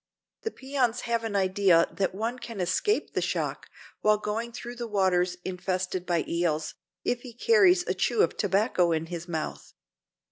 The peons have an idea that one can escape the shock, while going through waters infested by the eels, if he carries a chew of tobacco in his mouth.